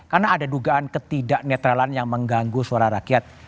karena ada dugaan ketidaknetralan yang mengganggu suara rakyat